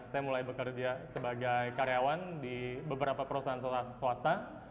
saya mulai bekerja sebagai karyawan di beberapa perusahaan swasta